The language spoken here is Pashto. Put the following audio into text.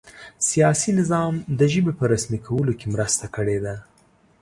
سیاسي نظام د ژبې په رسمي کولو کې مرسته کړې ده.